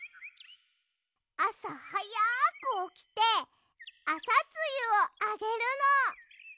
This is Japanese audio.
あさはやくおきてアサツユをあげるの。